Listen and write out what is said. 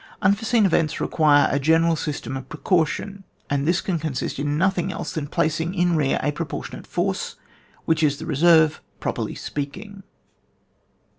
Unforeseen events require a ge neral system of precaution, and this can consist in nothing else than placing in rear a proportionate force, which is the reserve, properly speaking.